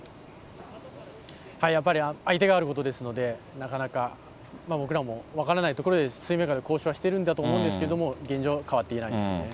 やっぱり相手があることですので、なかなか、僕らも分からないところで水面下で交渉はしてるんだと思うんですけれども、現状、変わっていないですね。